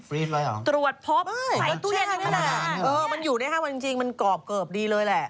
ฟรีดเลยเหรอไม่ใช่ค่ะประมาณนั้นเหรอมันอยู่ได้๕วันจริงมันกรอบเกิบดีเลยแหละ